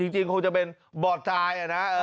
จริงคงจะเป็นบอดตายอะนะ